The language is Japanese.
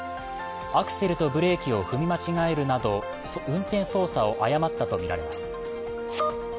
アクセルとブレーキを踏み間違えるなど運転操作を誤ったとみられます。